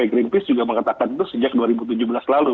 greenpeace juga mengatakan itu sejak dua ribu tujuh belas lalu